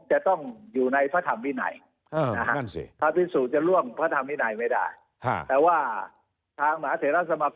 จะต้องอยู่ในพระธรรมที่ไหนนะครับ